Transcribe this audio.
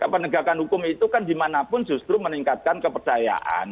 penegakan hukum itu kan dimanapun justru meningkatkan kepercayaan